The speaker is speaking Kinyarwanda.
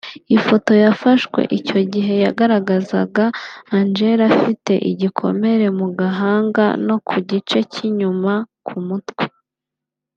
Ifoto yafashwe icyo gihe yagaragazaga Angels afite igikomere mu gahanga no ku gice cy’ inyuma ku mutwe